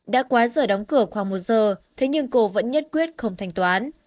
đã quá giờ đóng cửa khoảng một giờ thế nhưng cô vẫn nhất quyết không thanh toán